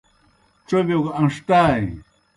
ڇوبِیو گہ اݩݜٹائیں۔